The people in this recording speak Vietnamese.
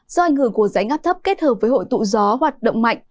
do ảnh hưởng của giáy ngắp thấp kết hợp với hội tụ gió hoạt động mạnh